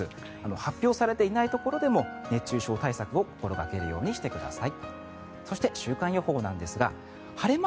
発表されていないところでも熱中症対策を心掛けるようにしてください。